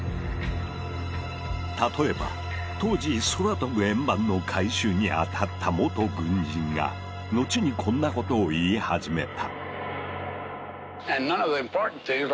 例えば当時空飛ぶ円盤の回収に当たった元軍人が後にこんなことを言い始めた。